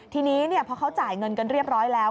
ทีนี้พอเขาจ่ายเงินกันเรียบร้อยแล้ว